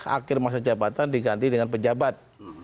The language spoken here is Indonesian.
akhir masa jabatan diganti dengan pejabat